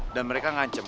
dan mereka ngancem